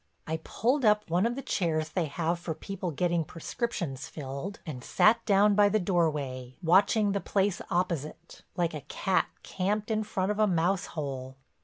I pulled up one of the chairs they have for people getting prescriptions filled, and sat down by the doorway, watching the place opposite, like a cat camped in front of a mouse hole.